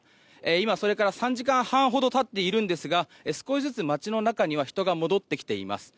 今、それから３時間半ほど経っているんですが少しずつ、街の中には人が戻ってきています。